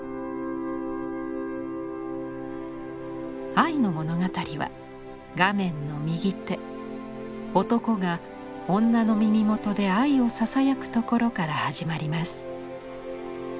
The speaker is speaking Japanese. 愛の物語は画面の右手男が女の耳元で愛をささやくところから始まります。